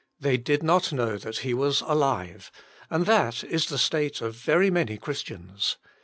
They did not know that He was alive, and that is the state of very many Christians.